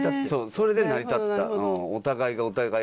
それで成り立ってた。